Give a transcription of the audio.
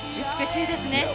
美しいですね。